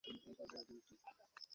ঐ পুরোনো কেল্লাতে?